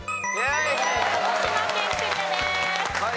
鹿児島県クリアです。